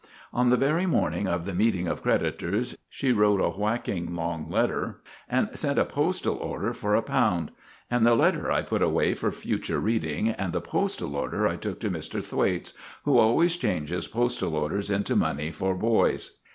On the very morning of the meeting of creditors she wrote a whacking long letter and sent a postal order for a pound; and the letter I put away for future reading and the postal order I took to Mr. Thwaites, who always changes postal orders into money for boys.